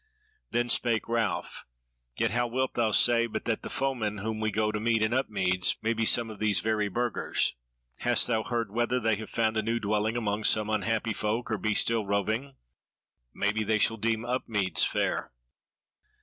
Then spake Ralph: "Yet how wilt thou say but that the foemen whom we go to meet in Upmeads may be some of those very Burgers: hast thou heard whether they have found a new dwelling among some unhappy folk, or be still roving: maybe they shall deem Upmeads fair."